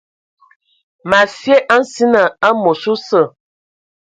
Ma sye a nsina amos osə.